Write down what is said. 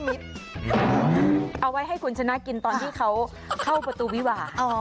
เอาไว้ให้คุณชนะกินตอนที่เขาเข้าประตูวิวา